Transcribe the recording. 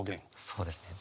そうですね